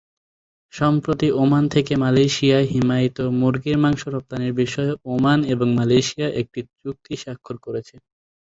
সম্প্রতি, ওমান থেকে মালয়েশিয়ায় হিমায়িত মুরগির মাংস রপ্তানির বিষয়ে ওমান এবং মালয়েশিয়া একটি চুক্তি সাক্ষর করেছে।